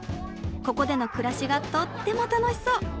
ここでの暮らしがとっても楽しそう。